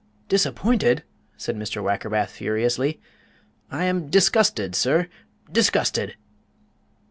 "Disappointed!" said Mr. Wackerbath, furiously. "I am disgusted, sir, disgusted!"